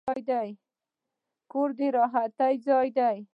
کور د راحتي ځای دی.